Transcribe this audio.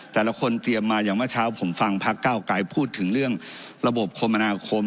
แต่ละคนเตรียมมาอย่างเมื่อเช้าผมฟังพักเก้าไกรพูดถึงเรื่องระบบคมนาคม